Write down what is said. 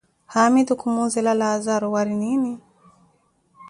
Haamitu khumuzela Laazaro, waari niini?